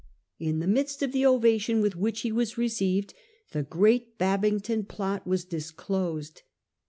In the midst of the ovation with which he was received, the great Babington Plot was disclosed.